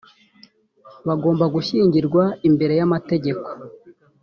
bagomba gushyingirwa imbere y’ amategeko